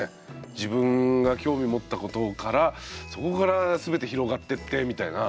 自分が興味持ったことからそこから全て広がってってみたいな。